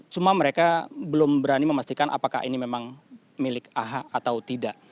cuma mereka belum berani memastikan apakah ini memang milik aha atau tidak